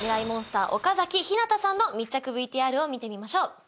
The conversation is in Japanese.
モンスター岡崎陽向さんの密着ＶＴＲを見てみましょう。